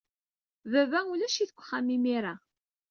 Baba ulac-it deg uxxam imir-a.